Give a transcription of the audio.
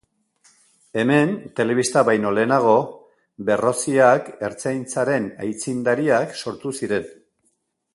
Hemen telebista baino lehenago Berroziak Ertzaintzaren aitzindariak sortu ziren.